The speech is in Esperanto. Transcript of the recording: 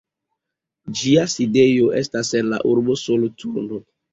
Ĝia sidejo estas en la urbo Soloturno.